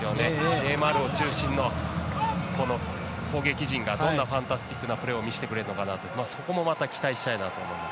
ネイマールを中心の攻撃陣が、どんなファンタスティックなプレーを見せてくれるのか期待したいと思います。